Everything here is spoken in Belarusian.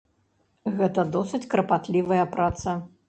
Гэта досыць карпатлівая праца.